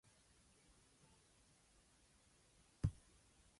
The inability to breakdown glycogen in muscle cells causes muscle weakness.